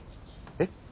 えっ？